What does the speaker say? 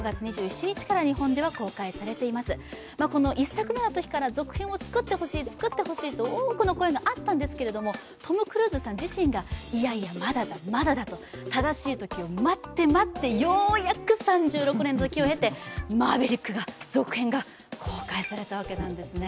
１作目のときから続編を作ってほしい、作ってほしいと多くの声があったんですけども、トム・クルーズさん自身がいやいや、まだだ、まだだと正しい時を待って待ってようやく３６年の時を経て「マーヴェリック」が、続編が公開されたわけなんですね。